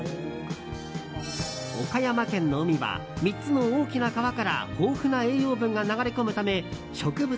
岡山県の海は３つの大きな川から豊富な栄養分が流れ込むため植物